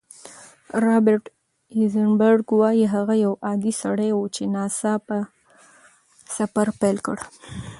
رابرټ ایزنبرګ وايي، هغه یو عادي سړی و چې ناڅاپه سفر پیل کړ.